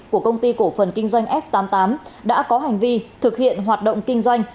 của công ty cổ phần kinh doanh f tám mươi tám đã có hành vi thực hiện hoạt động kinh doanh